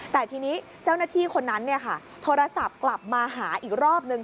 แต่ทีนี้เจ้าหน้าที่คนนั้นโทรศัพท์กลับมาหาอีกรอบนึง